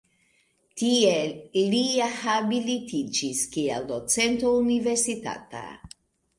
Tie li habilitiĝis kiel docento universitata.